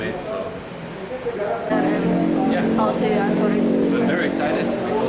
semoga saya bisa berlatih dengan teman teman